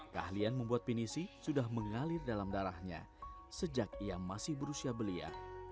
keahlian membuat pinisi sudah mengalir dalam darahnya sejak ia masih berusia belia